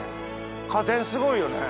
果点すごいよね